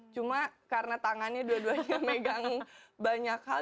cuma karena tangannya dua duanya megang banyak hal